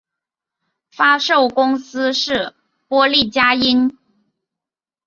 发售公司是波丽佳音。